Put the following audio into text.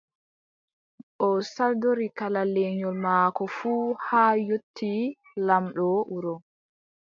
O saldori kala lenyol maako fuu, haa yotti laamɗo wuro.